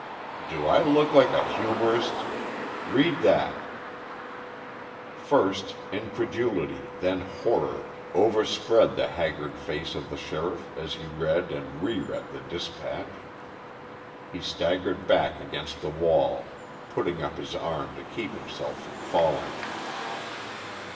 "Do I look like a humourist? Read that." First incredulity, then horror, overspread the haggard face of the sheriff as he read and re read the dispatch. He staggered back against the wall, putting up his arm to keep himself from falling.